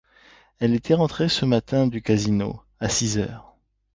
Elle était rentrée ce matin du casino à six heures.